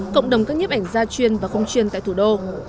cộng đồng các nhếp ảnh gia truyền và không truyền tại thủ đô